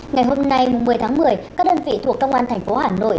ngày hôm nay một mươi tháng một mươi các đơn vị thuộc công an tp hà nội